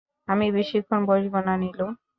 আমি বেশিক্ষণ বসব না নীলু।